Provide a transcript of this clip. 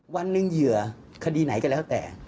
วันหนึ่งเหยื่อคดีไหนก็แล้วแต่